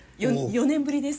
４年ぶりです。